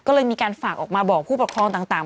ก็เลยมีการฝากออกมาบอกผู้ปกครองต่าง